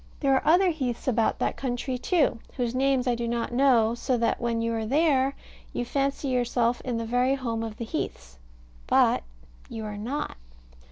There are other heaths about that country, too, whose names I do not know; so that when you are there, you fancy yourself in the very home of the heaths: but you are not.